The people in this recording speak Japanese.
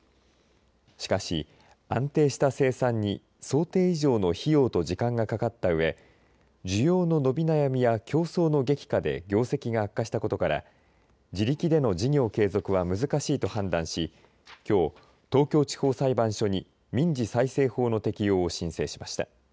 しかし、安定した生産に想定以上の費用と時間がかかったうえ需要の伸び悩みや競争の激化で業績が悪化したことから自力での事業継続は難しいと判断しきょう、東京地方裁判所に民事再生法の適用を申請しました。